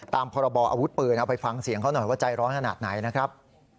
พรบออาวุธปืนเอาไปฟังเสียงเขาหน่อยว่าใจร้อนขนาดไหนนะครับ